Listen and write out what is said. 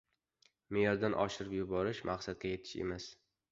Me’yordan oshirib yuborish — maqsadga yetish emas.